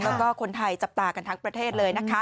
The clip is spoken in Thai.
แล้วก็คนไทยจับตากันทั้งประเทศเลยนะคะ